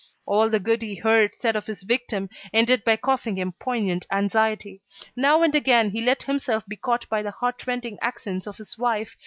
All the good he heard said of his victim ended by causing him poignant anxiety. Now and again he let himself be caught by the heartrending accents of his wife.